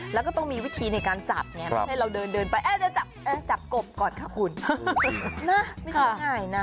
แล้วก็ต้องมีวิธีในการจับไงไม่ใช่เราเดินเดินไปเดี๋ยวจับกบก่อนค่ะคุณนะไม่ใช่ง่ายนะ